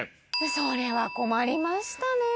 それは困りましたねぇ。